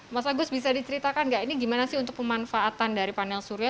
mas agus bisa diceritakan nggak ini gimana sih untuk pemanfaatan dari panel surya